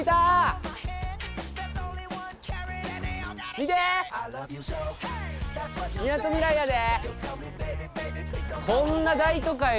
みなとみらいやで。